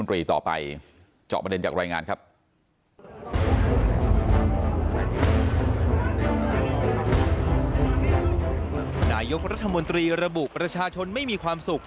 นายกรัฐมนตรีระบุประชาชนไม่มีความสุข